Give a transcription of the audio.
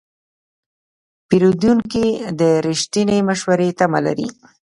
پیرودونکی د رښتینې مشورې تمه لري.